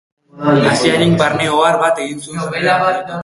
Asiainek barne ohar bat egin zuen aurrera jarraitu aurretik.